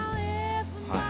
はい。